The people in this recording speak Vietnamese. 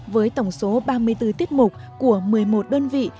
với tổng số ba mươi bốn tiết mục của một mươi một đơn vị